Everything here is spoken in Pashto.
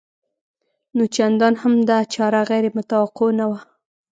نو چندان هم دا چاره غیر متوقع نه وه